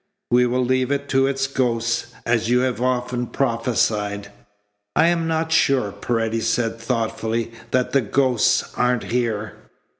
We will leave it to its ghosts, as you have often prophesied." "I am not sure," Paredes said thoughtfully, "that the ghosts aren't here."